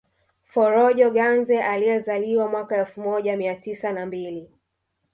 Forojo Ganze aliyezaliwa mwaka elfu moja mia tisa na mbili